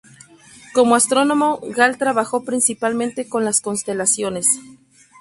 Como astrónomo, Gall trabajó principalmente con las constelaciones.